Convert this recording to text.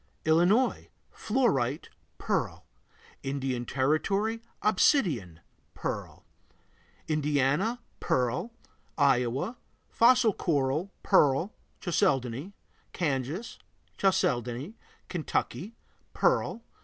Illinois Fluorite, pearl. Indian Territory Obsidian, pearl. Indiana Pearl. Iowa Fossil coral, pearl, chalcedony. Kansas Chalcedony. Kentucky Pearl.